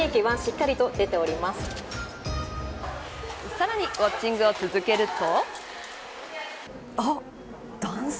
さらにウオッチングを続けると。